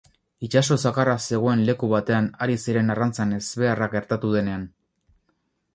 Itsaso zakarra zegoen leku batean ari ziren arrantzan ezbeharra gertatu denean.